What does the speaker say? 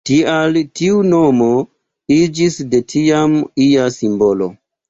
Tial tiu nomo iĝis de tiam ia simbolo.